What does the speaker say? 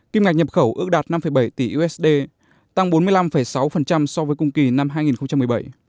kim ngạch nhập khẩu ước đạt năm bảy tỷ usd tăng bốn mươi năm sáu so với cùng kỳ năm hai nghìn một mươi bảy